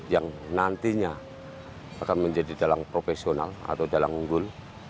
yang nantinya akan menjadi dalang profesional atau dalang unggul